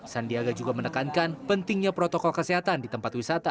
sandiaga juga menekankan pentingnya protokol kesehatan di tempat wisata